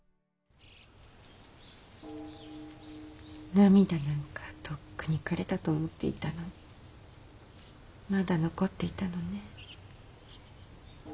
涙なんかとっくにかれたと思っていたのにまだ残っていたのね。